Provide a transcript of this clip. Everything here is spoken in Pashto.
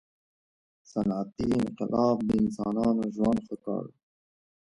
• صنعتي انقلاب د انسانانو ژوند ښه کړ.